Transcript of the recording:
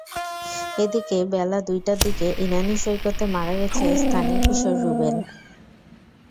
এদিকে বেলা দুইটার দিকে ইনানী সৈকতে মারা গেছে স্থানীয় কিশোর রুবেল।